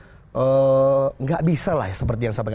tidak bisa seperti yang saya katakan